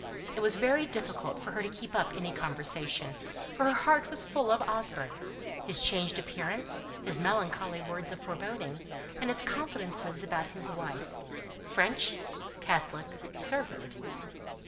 It was very difficult for her to keep up any conversation, for her heart was full of Osborne his changed appearance, his melancholy words of foreboding, and his confidences about his wife French, Catholic, servant.